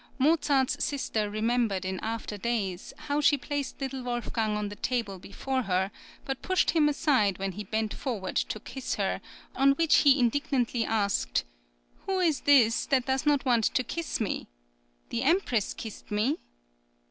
Mozart's sister remembered in after days how she placed little Wolfgang on the table before her, but pushed him aside when he bent forward to kiss her, on which he indignantly asked: "Who is this that does not want to kiss me? the Empress kissed me."